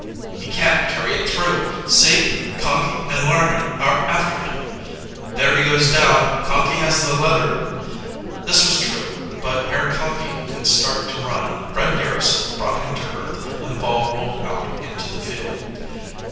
"He can't carry it through! See, Conkey and Largren are after him!" "There he goes down! Conkey has the leather!" This was true, but ere Conkey could start to run Fred Garrison brought him to earth and the ball rolled out into the field.